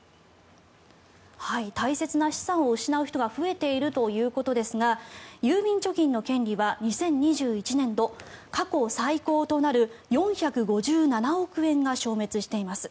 大切な資産を失う人が増えているということですが郵便貯金の権利は２０２１年度過去最高となる４５７億円が消滅しています。